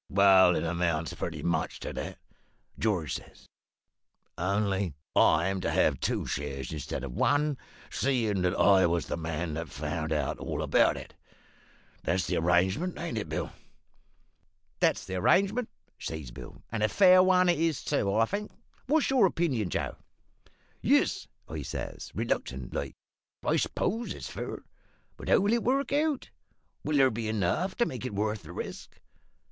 "`Well, it amounts pretty much to that,' George says, `only I'm to have two shares instead of one, seein' that I was the man that found out all about it. That's the arrangement, ain't it, Bill?' "`That's the arrangement,' says Bill, `and a fair one it is, too, I think. What's your opinion, Joe?' "`Yes,' I says, reluctant like, `I s'pose it's fair. But how will it work out? will there be enough to make it worth the risk?'